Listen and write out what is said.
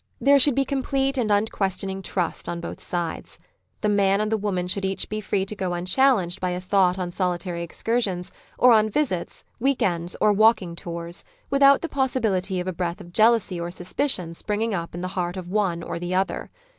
There should be complete and unquestioning trust on both sides. The man and the woman should each be free to go unchallenged by a thought on solitary excursions, or on visits, week ends or walking tours, without the possibility of a breath of jealousy or suspicion springing up in the heart of one or the other.